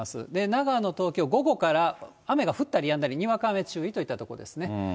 長野、東京、午後から雨が降ったりやんだり、にわか雨注意といったところですね。